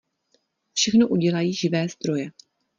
Všechno udělají živé stroje.